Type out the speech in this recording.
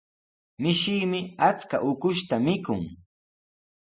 Mishimi achka ukushta mikun.